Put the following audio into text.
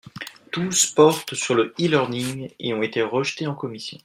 Tous portent sur le e-learning et ont été rejetés en commission.